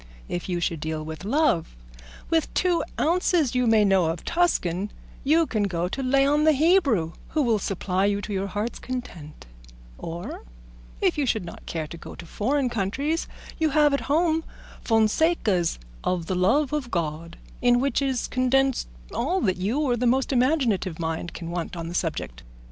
If you should deal with love, with two ounces you may know of Tuscan you can go to Leon the Hebrew, who will supply you to your heart's content; or if you should not care to go to foreign countries you have at home Fonseca's 'Of the Love of God,' in which is condensed all that you or the most imaginative mind can want on the subject.